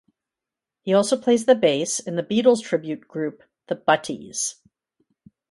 He also plays the bass in the Beatles tribute group The Butties.